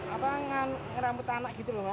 apa ngan ngerambut anak gitu loh mas